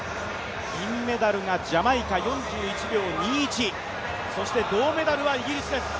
銀メダルがジャマイカ４１秒２１、そして銅メダルはイギリスです。